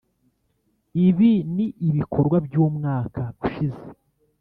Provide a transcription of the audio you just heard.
ibi ni ibikorwa by’umwaka ushize